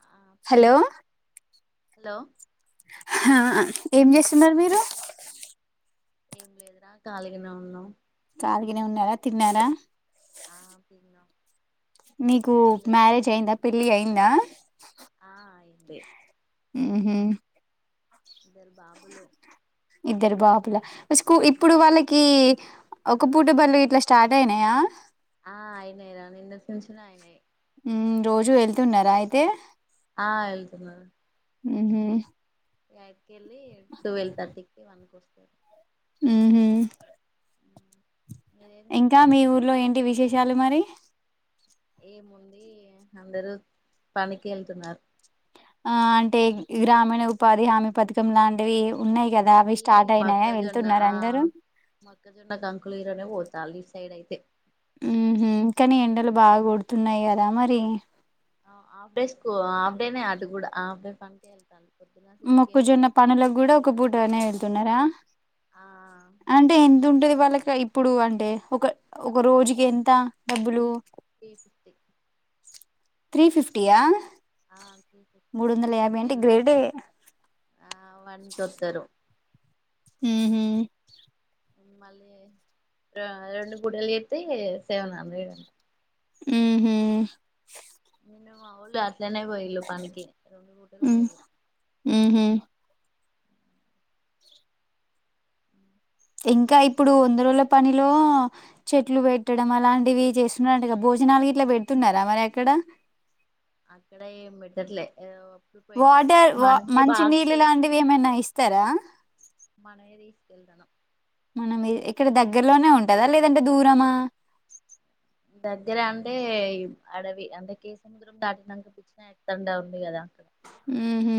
ఆ hello hello హా ఏం చేస్తున్నారు మీరు ఏం లేదురా కాలిగనే ఉన్నాం కలిగనే ఉన్నార తిన్నారా ఆ తిన్నం నీకు మ్యారేజ్ అయిందా పెళ్లి అయిందా ఆ అంది ఉమ్ ఇద్దరు బాబులు ఇద్దరు బాబుల స్కూ ఇప్పుడు వాళ్ళకి ఒక పూట ఓకే బల్లు గిట్లా స్టార్ట్ అయినాయా తెసినాయినే ఉం రోజూ వెళ్తున్నారా అయితే ఆ వెళ్తున్నారు ఉహు యయి ట్ కెళ్లి టువెల్వ్ థర్టీకి వన్ కోస్ ఓకే ఉహు మీరేం ఇంకా చేస్తున్నారు మీ ఊర్లో ఏంటి విశేషాలు మరి ఏముంది అందరూ పనికెళ్తున్నారు ఆ అంటే గ్రామీణ ఉపాధి హామీ పథకం లాంటివి ఉన్నాయి కదా అవి స్టార్ట్ అయినాయా మక్కజొన్న వెళ్తున్నారా ఆ అందరూ మొక్కజొన్న కంకులుఇరోనే పోత తాళ్లిఇట్సైడ్ అయితే ఉ హు కనీ ఎండలు బాగా కొడుతున్నాయి కదా మరి ఆఫ్ డే స్కూ ఆఫ్ డే నే అది కూడా ఆఫ్ డే పనికే వెళ్తా మొక్కుజొన్న పనులకు కూడా ఒక బూటనే వెళ్ తున్నార ఆ అంటే ఎంత ఉంటది వాళ్ళకి వన్కొచ్చి ఇప్పుడు అంటే ఒక ఒక రోజుకి ఎంత డబ్బులు త్రి ఫిఫ్టీ త్రీ ఫిఫ్టీయా ఆ త్రి ఫిఫ్టీ మూడు వందల సిక్స్ యాభై అంటే కెళ్ళి గ్రేటే ఆ వన్ కొత్తరు ఉహు మళ్ళీ రో రొండు పూటలు చేత్తే సెవెన్ హండ్రెడ్ అం ఉహు [inaudible] పనికి రెండు పూటలు ఉం పోయిళ్ళు ఉహు ఇంకా ఇ ఇప్పుడు వంద రోజుల పనిలో చెట్లు పెట్టడం అలాంటివి చేస్తున్నరంట గా భోజనాలు గిట్లా పెడుతున్నారా మరి అక్కడ అక్కడ ఏం పెట్టట్లే ఎవో వాటర్ వా మంచి నీళ్ళు లాంటివి ఏమైనా ఇస్తారా ఎల్దనం మనం ఇ ఇక్కడ దగ్గరలోనే ఉంటదా లేదంటే దూరమా దగ్గర అంటే అడవి అంటే కేసముద్రం దాటినంక కుచ్చినాయక్ త్తండా ఉంది కదా అక్కడ ఉహు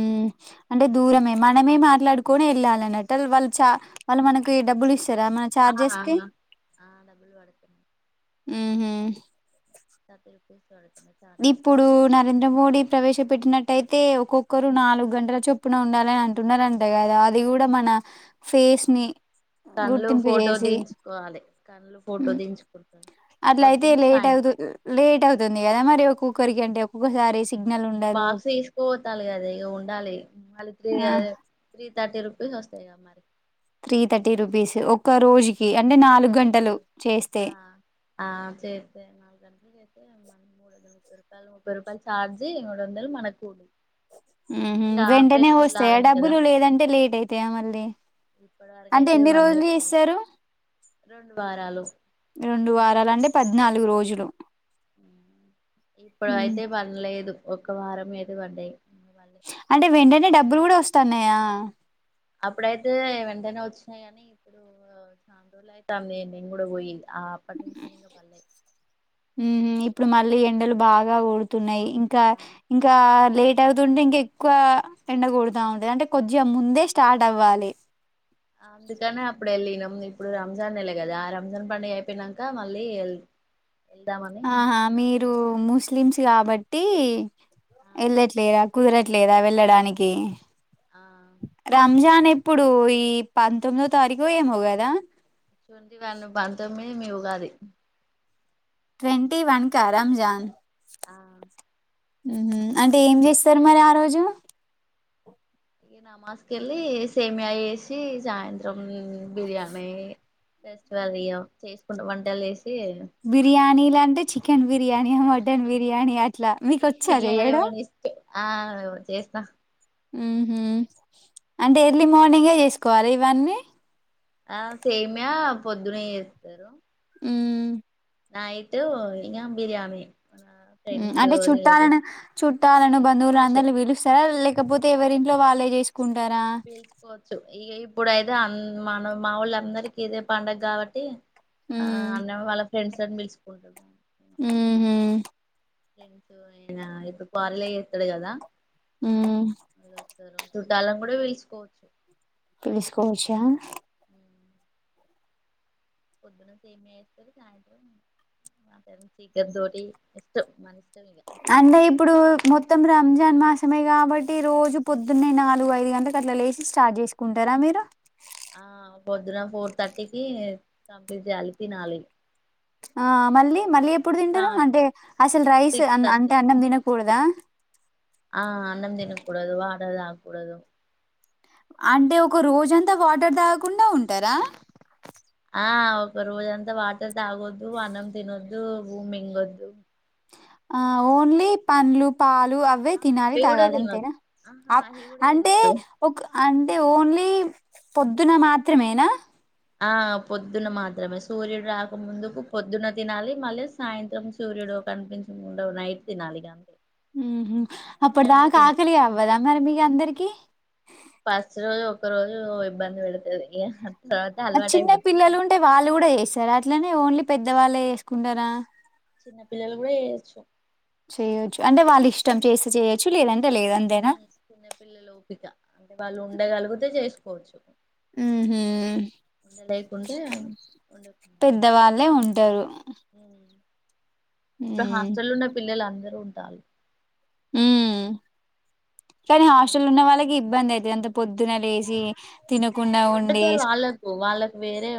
అంటే దూరమే మనమే మాట్లాడుకొని ఎళ్ళాలిన్నట్ట వాళ్ళు చా వాళ్ళు మనకి డబ్బులు ఇస్ ఆ ఆ ఉహు స ఇప్పుడు నరేంద్ర మోడీ ప్రవేశపెట్టినటు అయితే ఒక్కొక్కరు నాలుగు గంటల చొప్పున ఉండాలని అంటున్నారంటే కదా అది కూడా మన ఫేస్ ని అవును కళ్ళు గుర్తింపు ఫోటో చేసి దించుకోవాలి కళ్ళు ఫోటో దించుకుంటారు అట్లయితే పొద్దుని లేట్ అవుతు సాయంత్రం లేట్ అవుతుంది కదా మ ఒక్కరికి అండి ఒక్కొక్కసారి సిగ్నల్ ఏ ఉండదు బాక్స్ తీసుకోపోతాలేదు ఉండాలి మళ్ళీ త్రీ ఆ తీ తర్టీ రూపీస్ వస్తాయి త్రీ థర్టీ రుపీస్ ఒక్క రోజుకి అంటే నాలుగు ఒక్క గంటలు రోజు చేస్తే ఆ ఆ చేస్తే నాలుగు గంటలు చేస్తే మ మూడ ముప్ప రూపాయలు చార్జి మూడు వందలు మనకు వెంటనే వస్తాయా కదా డబ్బులు లేదంటే లేట్ అయితాయా మళ్ళీ ఇప్పటి వరకు అంటే అయితే ఎన్ని వన్ డే రోజులు ఇస్తారు వారాలు అంటే పద్నాలుగు రోజులు ఇప్పుడు ఉమ్. అయితే పనిలేదు ఒక వారం ఏద వండి అంటే వెంటనే డబ్బు బులు కూడా వస్తాన్నయా అప్పుడైతే వెంటనే వచ్చినాయి కానీ ఇప్పుడు చానా రోజులు అయితే అంది నేను కూడా పోయి ఆ అప్పటి నుంచ ఇంక పల్లే ఇప్పుడు మళ్ళీ ఎండలు బాగా కూడుతున్నాయి ఇంకా ఆ ఇంకా లేట్ అవుతుంటే ఇంకా ఎక్కువ ఎండ కొడుతా ఉంటది అంటే కొద్దిగా ముందే స్టార్ట్ అవ్వాలి అందుకనే అప్పుడు వెళ్ళినం ఇప్పుడు రంజాన్ వెళ్ళ కదా ఆ రంజాన్ పండుగ అయిపోయినాక మళ్ళీ వె ఆహా మీరు ముస్లిమ్స్ కాబట్టి ఆ టి ఎల్లట్లేద కుదరట్లేదా వెళ్ళడానికి ఆ రంజానే ఇప్పుడు ఈ పంతొమ్మిదో తారీఖు ఏమో కదా చూడి వెన్న బతుకమ్మే మీ ఉగాది ట్వంటీ వన్ కా రంజాన్ ఆ అంటే ఏం చేస్తారు మరి ఆ రోజు నమాజ్కిెళ్ళి సేమియా వేసి సాయంత్రం బిర్యానీ ఫెస్టివల్ ఇగ చేసుకుంటా వంటలు చేసి మనలు బిర్యానీలా అంటే చికెన్ బిర్యానీ మటన్ బిర్యానీ అట్లా మీకొచ్చా ఇగ అది చెయడం మన ఇష్టం ఆ చేస్తా ఉహు అంటే ఎర్లీ మార్నింగే చేసుకోవాలి ఇవన్నీ ఆ సేమయా పొద్దున చేస్తారు ఉ నైటు ఇగ బిర్యానీ మన మ్మ్ ఫ్రెండ్స్ అంటే చుట్టాలను రిలేటివ్స్ చుట్టాలను బంధువులు పిలుచుకోవచ్చు అందలిని పీలుస్తారా లేకపోతే ఎవరి ట్లో వాళ్ళే చేస్ పిలుచుకోవచ్చు ఇగా ఇప్పుడయితే అన్ మన మా ఊళ్ళో అందరికి ఇదే పండగ కాబట్టి ఆ అన్న వాళ్ ఫ్రెండ్స్ అని పిలుచుకుంటారు హ్మ్ హు ఫ్రెండ్సు ఇగ ఇప్పుడు వాళ్ళే చెత్తరు కదా మ్మ్ స్తరు చుట్టాలను కూడా పిలుసుకోవచ్చు పిలుసుకోవచ్చా పొద్దున సేమ్యా చేస్తారు సాయంత్రం మాం చికన్ తోటి ఇష్టం మన ఇష్టం ఇక అంటే ఇప్పుడు మొత్తం రంజాన్ మాస్ సమే కాబట్టి ఈ రోజు పొద్దున్నే నాలుగు ఐదు గంటలకు అట్లా లేచి స్టార్ట్ చేసుకుంటారా మీరు ఆ పొద్దున ఫోర్ థర్టీకి కంప్లీట్ చేయాలి తినాలి ఆ మళ్ళీ మళ్ళీ ఎప్పుడు సా తింటరు అంటే అసలు రైస్ సిక్స్ అంటే థర్టీ అన్నం తినక కూడదా ఆ అన్నం తినకూడదు వాటర్ తాగకూడదు అంటే ఒక రోజంతా వాటర్ తాగకుండా ఉంటారా ఆ ఒక రోజ అంతా వాటర్ తాగొద్దు అన్నం తినోద్దు బువ్వ మింగొద్దు ఆ ఓన్లీ పండ్లు పాలు అవే ఆ తినాలి అవి కూడా తాగాలి తినొద్దు అంతేనా ఆహా అ అవి కూడా అంటే తినొద్దు ఒక అంటే ఓన్లీ టె పొద్దున మాత్రమేనా ఆ పొద్దున్న మాత్రమే సూర్యుడు రాకముందుకు పొద్దున్న తినాలి మళ్ళీ సాయంత్రం సూర్యుడు కనిపించకుండ నైట్ తినాలి కా మ్మ్ హు అప్పుడు దాకా ఆకలి అవ్వదా మరి మీకు అందరికి ఒక్క రోజు ఇబ్బంది పెడతది ఏ చిన్న పిల్లలు ఉంటే వాళ్ళు కూడా చేస్తారా అట్లనే ఓన్లీ పెద్దవాళ్ళే చేసుకుంటారా చిన్న పిల్లలు కూడా చేయొచ్చు చెయొచ్చు అంటే వాళ్ళు ఇష్టం చేస్తే చెయొచ్చు లేదంటే లేదు అంతేనా? మ్మ్ చిన్నపిల్లల ఓపిక వాళ్ళు ఉండగలిగితే చేసుకోవచ్చు ఉహు ఉండలేకుంటే ఉండ [unintelligible] పెద్దవాళ్ళే ఉంటారు మ్మ్ క ఉమ్ హాస్టల్లున్న పిల్లలందరు ఉంటారు మ్మ్ కానీ హాస్టల్ ఉన్న వాళ్ళకి ఇబ్బంది అయితే అంత పొద్దున లేసి తినకుండా ఉండి వండుతారు వాళ్ళకు వాళ్ళకు వేరే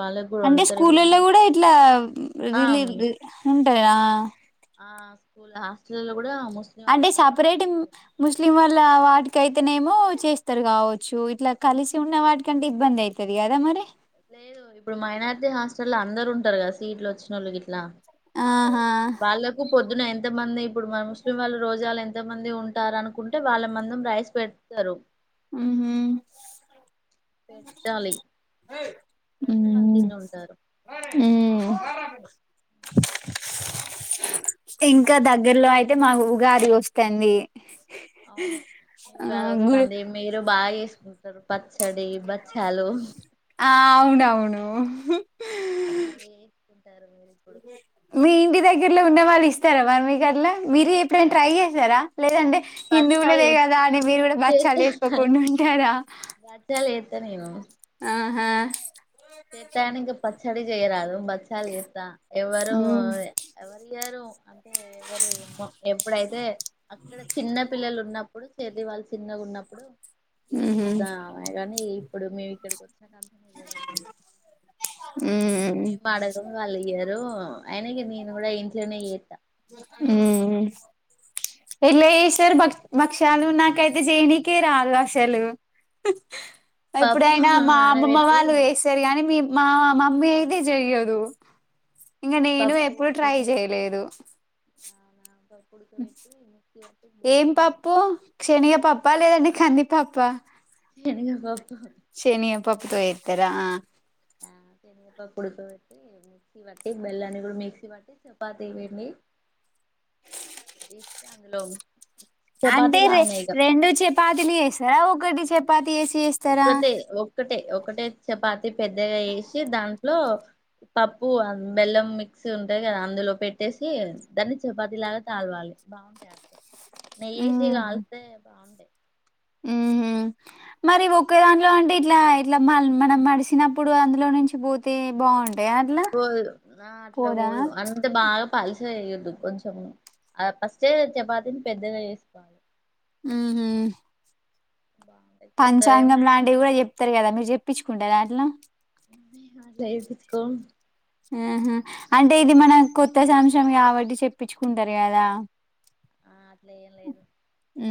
వాళ్ళకు కూడా అంటే వండుతారు ఇప్పుడు మన స్కూల్లలో కూడా ముస్లిం ఇట్లా ఆ రిలీ రిల్ ఉంటాయా ఆ స్కూల్ హాస్టల్లో కూడా ముస్లిం అంటే వాళ్ళకి వంట సపరేట్ ఏం చేస్తారు ముస్లిం వాళ్ళ వాటి కైతనేమో చేస్తారు కావచ్చు ఇట్లా కలిసి ఉన్న వాటికంటే ఇబ్బంది అయితది కదా మరి లేదు ఇప్పుడు మైనారిటీ హాస్టల్ ఇట్లా అందరూ ఉంటారు కదా సీట్లు వచ్చినోళ్లు గిట్ల ఆహా వాళ్ళకు పొద్దున ఎన్ ఎంతమంది ఇప్పుడు మన ముస్లిం వాళ్లు రోజలు ఎన్ ఎంత మంది ఉంటారు అనుకుంటే వాళ్ళ మందం రైస్ పెడతారు ఉహుం పెట్టాలి పెడితే వాళ్ళు ఉమ్ తిని ఉంటారు ఉమ్ ఇంకా దగ్గర్లో అయితే మాకు ఉగాది వస్తుంది అవును ఈ ఆ ఉగాది గుడి వస్తుంది మీరు బాగా చేస్ కుంటరు పచ్చ ఆ అవునవును ఉహు అవే ఎక్కి ఉంటారు మీరు ఇప్పుడు దగ్గర్లో ఉండేవాళ్లు ఇస్తారా మరి మీకు అట్లా మీరు ఎప్పుడైనా ట్రై చేసారా లేదంటే బచ్చాలు హిందువులదే ఏత్- కదా ఆ అని మీరు కూడా బచ్చాలు చేస్తా చేసుకోకుండా ఉంటారా వస్తా నేను ఆహా స్టడీ చేయరాదు ఇన్స్టాల్ చేస్తా ఎవరు ఉమ్ ఎవరి ఇయ్యరు అంటే ఎవరు ఏమో ఎప్పుడైతే అక్కడ చిన్న పిల్లలు ఉన్నప్పుడు చెర్రీ వాళ్ళు చిన్నగా ఉన్నప్పుడు ఉహు ఇచ్చిద్దా ఆమె కానీ ఇప్పుడు మే ఇక్కడికి వచ్చిన మేం ఉమ్ గాక వాళ్ళిద్దరూ ఇప్పుడు ఆయన ఇంకా నేను కూడా ఇంట్లోనే చేత్తా హమ్ ఎట్లా చేస్తారు భక్ష్యాలు నాకైతే చేయనికే రాలే అసలు పప్పు ఎప్పుడైనా మా అమ్మమ్మ నానబెట్టి వాళ్ళు చేస్తారు గానీ మీ మా మమ్మీ ఇది చెయ్యదు ఇంక నేను పప్పు ఎప్పుడు ట్రై చేయలేదు పప్పు ఉడకబెట్టి మిక్సీ పట్టి ఏం బెల్లం పప్పు క్షణగ పప్ప లేదండి కందిపప్ప శనిగ పప్ శనిగ పప్పుతో ఏతారా ఆ ఆ శనిగపప్పు ఉడక పెట్టి మిక్సీ పట్టి బెల్లాన్ని కూడా మిక్సీ పట్టి చపాతీ పిండి ఇగ అందులో చపాతీ అంటే రె లానే ఇగ రెండు చపాతిలు చేస్తారా ఒకటి చప్ ఒక్కటే ఒక్కటే ఒ ఒకటే చపాతి పెద్దగా ఏసి దాంట్లో పప్పు ఆ బెల్లం మిక్సీ ఉంటంది కదా అందులో పెట్టేసి దాన్ని చపాతి లాగా తాలవాలి బాగుంటాయి అట్లా నెయ్యేసి కాలస్తే బాగుండే ఊ ఊ మరి ఒక్క దాంట్లో అంటే ఇట్లా ఇట్లా మల్ మనం మడిసినప్పుడు అందులో నుంచి పోతే బాగుం పోదు ఆ అట్లా పోదు అంతే బాగా పల్స్ చేయొద్దు కొంచెం ఫస్టే చపాతిని పెద్దగా ఏసుకోవాలి ఊ బాగుంటాయి కొందరేమో పంచాంగం లాంటివి కూడా చెప్తారు కదా మీరు చెప్పించుకుంటర అట్లా మేమట్ల జెపిచ్చుకోమ్ ఆహా అంటే ఇది మన కొత్త సంత్సరం కాబట్టి చెప్పించుకుంటరు కదా ఆ అట్ల ఏం లేదు ఊ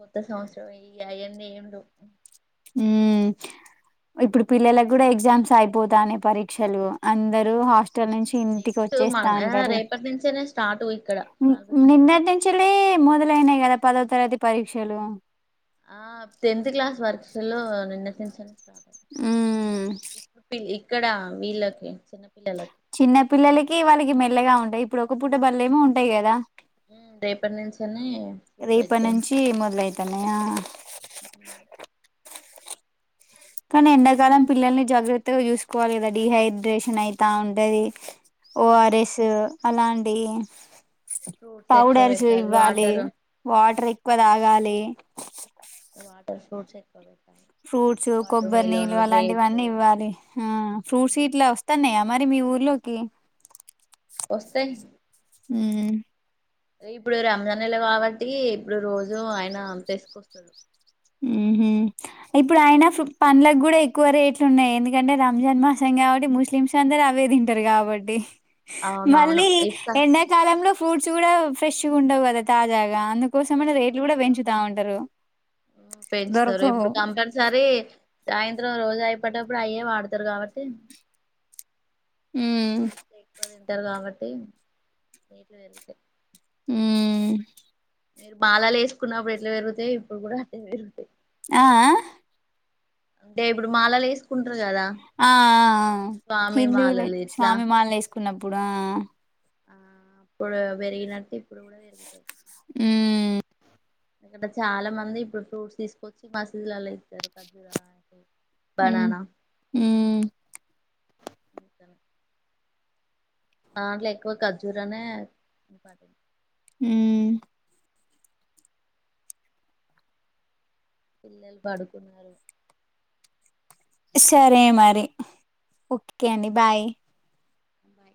కొత్త సంవత్సరం ఈ అయన్ ఏం లేవ్ ఊ ఇప్పుడు పిల్లలకు కూడా ఎగ్జామ్స్ అయిపోతానయ్ పరీక్షలు అందరు హాస్ టల్ నుంచి ఇంటికి నెక్స్ట్ వచ్చేస్తా మన ఉంటారు రేపటి నుంచేనే స్టార్ట్ ఇక్కడ ని రాఘుల్ స్కూల్లో నిన్నటి నుంచలే మొదలైనయి కదా పదో తరగతి పరీక్షలు ఆ టెన్త్ క్లాస్ పరీక్షలు నినట్ నుంచేలే ఊ ఇక్కడ వీళ్ళకి చిన్నపిల్లలకి చిన్న పిల్లలకి వాళ్ళకి మెల్లగా ఉం టయి ఇప్పుడు ఒక పూట బల్లేమో ఉంటాయి కదా రేపటి నుంచెనీ అబో రేపటి ఎగ్జామ్స్ నుంచి మొదలైతున్నాయా కానీ ఎండాకాలం పిల్లల్ని జాగ్రత్తగా చూసుకోవాలి కదా డిహైడ్రేషన్ అయితా ఉంటది. ఓ. ఆర్. అవును ఎస్ అలాంట్ పెయిన్ ఫ్రూట్స్ ఎక్కువ పౌడర్స్ పెట్టాలి ఇవ్వాలి వాటర్ వాటర్ ఎక్కువ తాగాలి వాటర్ ఫ్రూట్స్ ఎక్కువ పెట్టాలి ఫ్రూట్స్ వాటర్ కొబ్బరి నీళ్ళు మిలోన్ గ్రేప్స్ అలాంటివన్నీ ఇవ్వాలి హా ఫ్రూట్స్ అవును ఇట్లా వస్తాన్నాయా మరి మీ ఊర్లోకి వస్తాయ్ హుమ్ అంటే ఇప్పుడు రంజాన్ నెల కాబట్టి ఇప్పుడు రోజు ఆయన అంపేసుకొస్తడు [inaudible] ఉహు ఇప్పుడు ఆయినా ఫ్రు పండ్లకు కూడా ఎక్కువ రేట్లు ఉన్నాయి ఎందుకంటే రంజన్ మాసం కాబట్టి ముస్లిమ్స్ అందరు అవే తింటరు కాబట్టి హి అవునవును మళ్ళీ ఇఫ్తా ఎండాకాలంలో ఫ్రూట్స్ కూడా ఫ్రెష్గా ఉండవు కదా తాజాగా అందుకోసమ ఫ్రెష్గా రేట్లు కూడా ఉండవు పెంచుతా ఉంటరు పెంచుతారు ఇప్పుడు కంపల్సరీ సాయంత్రం రోజు అయిపోటప్పుడు అయ్యే వాడుత ఇస్తరు కాబట్టి ఉమ్ రోజు ఎక్కువ తింటరు తింటరు కాబట్టి రెట్లు పెరుగుతాయ్ ఉమ్మ్ మీరు మాలాలు వేసుకున్నప్పుడు ఎట్లా పెరుగుతాయి ఇప్పుడు కూడా అట్లనే పెరుగుతాయి. ఆ ఆ అంటే ఇప్పుడు మాలలు వేసుకుంట్ ఆ ఆ స్వామి హిందువుల మాలలు లైతే ఇట్లా స్వామి మాలలు వేసుకుంటరు ఉన్నప్పుడు ఆ ఆ అప్పుడు పెరిగినట్టి ఉమ్ ఇక్కడ చాలా మంది ఇప్పుడు ఫ్రూట్స్ తీసుకొచ్చి మసీదులల్ల ఇస్తారు ఖర్జూర ఉమ్ ఉమ్మ్ ఇతను దాంట్లో ఎక్కువ ఖర్జూరానే ఇంపార్టెంట్ ఉమ్మ్ పిల్లలు పడుకున్నారు సరే మరి ఓకే అండి బాయ్ బాయ్